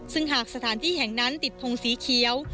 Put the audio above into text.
ซึ่งหากสถานที่แห่งนั้นติดทงสีเขียว